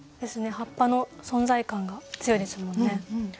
葉っぱの存在感が強いですもんね。